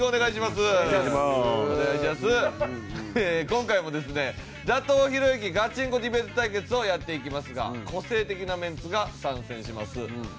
今回もですね「打倒ひろゆきガチンコディベート対決！」をやっていきますが個性的なメンツが参戦します。